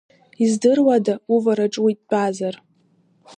Издыруада, увараҿ уи дтәазар?